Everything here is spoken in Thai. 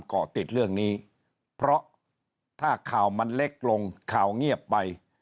เกาะติดเรื่องนี้เพราะถ้าข่าวมันเล็กลงข่าวเงียบไป